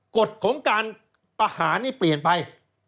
กฎของการประหารนี่เปลี่ยนไป